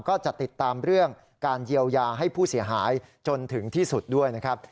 ก็จะติดตามเรื่องการเยียวยาให้ผู้เสียหายจนถึงที่สุดด้วยนะครับ